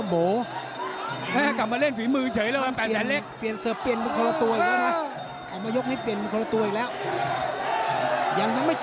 ไปแล้วครับคุณผู้ชม